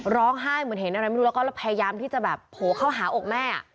ร้องไห้เหมือนเห็นอะไรไม่รู้แล้วก็พยายามที่จะแบบโผล่เข้าหาอกแม่